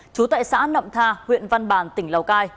trú tại xã nậm tha huyện văn bàn tỉnh lào cai